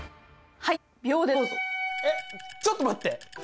はいえっちょっと待って！